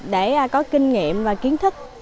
để có kinh nghiệm và kiến thức